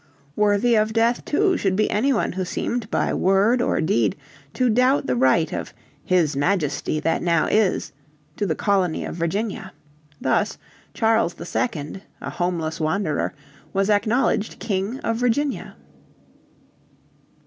Worthy of death too should be any one who seemed by word or deed to doubt the right of "his Majesty that now is" to the Colony of Virginia. Thus Charles II, a homeless wanderer, was acknowledged King of Virginia.